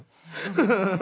ハハハハ。